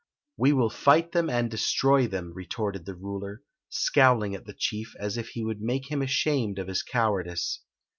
" We will fight them and destroy them," retorted the ruler, scowling at the chief as if he would make him ashamed of his cowardice.